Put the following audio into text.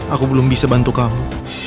aku belum bisa bantu kamu